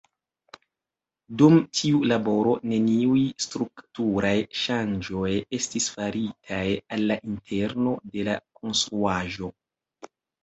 Dum tiu laboro, neniuj strukturaj ŝanĝoj estis faritaj al la interno de la konstruaĵo.